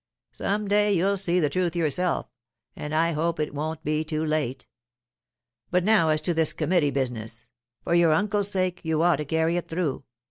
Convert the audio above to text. Some day you'll see the truth yourself; and I hope it won't be too late. But now as to this committee business—for your uncle's sake you ought to carry it through.